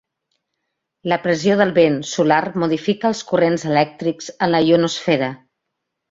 La pressió del vent solar modifica els corrents elèctrics en la ionosfera.